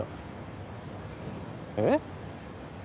えっ。